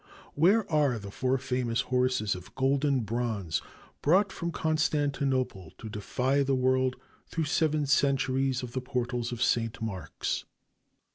Where are the four famous horses of golden bronze, brought from Constantinople to defy the world through seven centuries from the portals of St. Marks?